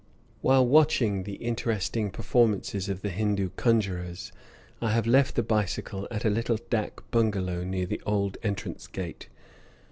While watching the interesting performances of the Hindoo, conjurers I have left the bicycle at a little dak bungalow near the old entrance gate.